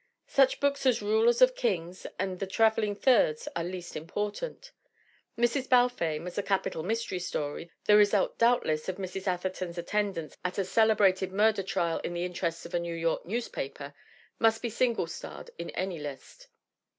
Such books as Rulers of Kings and The Trav elling Thirds are least important. Mrs. Balfame, as a capital mystery story, the result doubtless of Mrs. Atherton's attendance at a celebrated murder trial in the interests of a New York newspaper, must be single starred in any list.